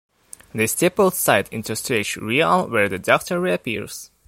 They step outside into a strange realm where the Doctor reappears.